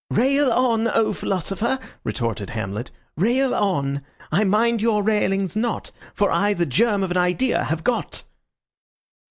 "Rail on, O philosopher!" retorted Hamlet. "Rail on! I mind your railings not, for I the germ of an idea have got."